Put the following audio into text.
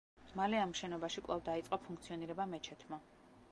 მალე, ამ შენობაში კვლავ დაიწყო ფუნქციონირება მეჩეთმა.